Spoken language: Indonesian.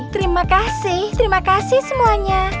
terima kasih terima kasih semuanya